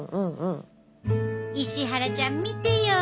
石原ちゃん見てよ。